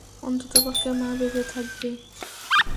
অন্ততপক্ষে মা বেঁচে থাকবে।